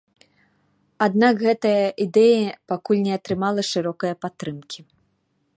Аднак гэтая ідэя пакуль не атрымала шырокае падтрымкі.